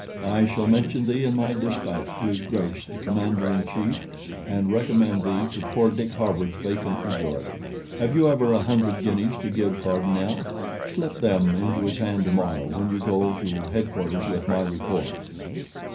I shall mention thee in my despatch to his Grace the Commander in Chief, and recommend thee to poor Dick Harwood's vacant majority. Have you ever a hundred guineas to give Cardonnel? Slip them into his hand to morrow, when you go to head quarters with my report."